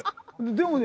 でもね